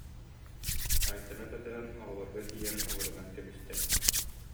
Айтаны батыһан оҕолорго тиийэн олорунан кэбистэ